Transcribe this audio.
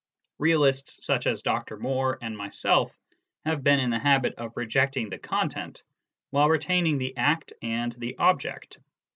Eealists such as Dr. Moore and myself have been in the habit of rejecting the content, while retaining the act and the object.